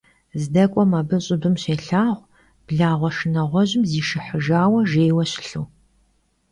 Zdek'uem abı ş'ıbım şêlhağu blağue şşınağuejım zişşıhıjjaue jjêyue şılhu.